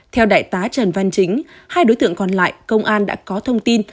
theo đại tá trần văn chính hai đối tượng còn lại công an đã có thông tin